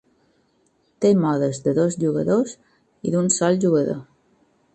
Té modes de dos jugadors i d'un sol jugador.